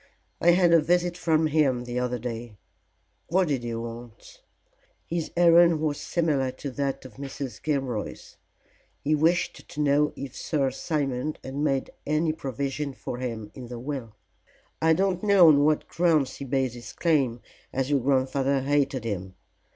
"I had a visit from him the other day?" "What did he want?" "His errand was similar to that of Mrs. Gilroy's. He wished to know if Sir Simon had made any provision for him in the will. I don't know on what grounds he based his claim, as your grandfather hated him.